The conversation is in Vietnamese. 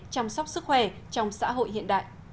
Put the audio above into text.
chăm sóc sức khỏe trong xã hội hiện đại